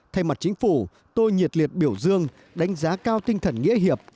thay mặt chính phủ tôi nhiệt liệt biểu dương đánh giá cao tinh thần nghĩa hiệp